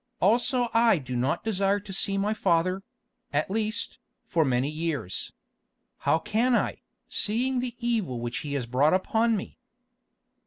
Also I do not desire to meet my father—at least, for many years. How can I, seeing the evil which he has brought upon me?"